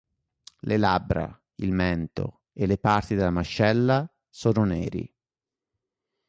Le labbra, il mento, e le parti della mascella sono neri.